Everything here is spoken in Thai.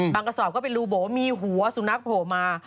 กระสอบก็เป็นรูโบ๋มีหัวสุนัขโผล่มา